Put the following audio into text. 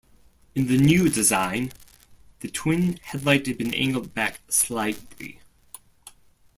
In the new design, the twin-headlight had been angled back slightly.